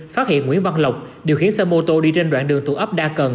phát hiện nguyễn văn lộc điều khiến xe mô tô đi trên đoạn đường tủ ấp đa cần